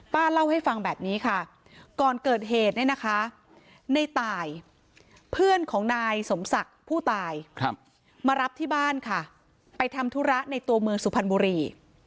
เล่าให้ฟังแบบนี้ค่ะก่อนเกิดเหตุเนี่ยนะคะในตายเพื่อนของนายสมศักดิ์ผู้ตายมารับที่บ้านค่ะไปทำธุระในตัวเมืองสุพรรณบุรี